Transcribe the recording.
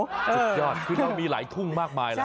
สุดยอดคือเรามีหลายทุ่งมากมายแล้ว